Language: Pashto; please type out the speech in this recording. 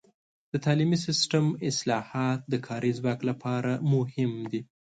د تعلیمي سیستم اصلاحات د کاري ځواک لپاره مهم دي.